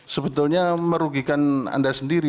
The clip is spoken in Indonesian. sebetulnya merugikan anda sendiri